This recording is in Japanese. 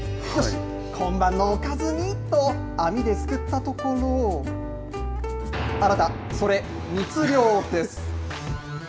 今晩のおかずにと網ですくったところ、あなた、それ、密漁です。